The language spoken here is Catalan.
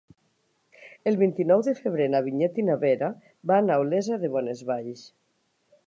El vint-i-nou de febrer na Vinyet i na Vera van a Olesa de Bonesvalls.